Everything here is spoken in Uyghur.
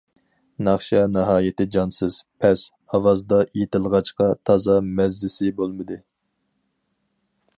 ناخشا ناھايىتى جانسىز، پەس، ئاۋازدا ئېيتىلغاچقا تازا مەززىسى بولمىدى.